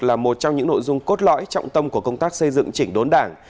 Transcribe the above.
là một trong những nội dung cốt lõi trọng tâm của công tác xây dựng chỉnh đốn đảng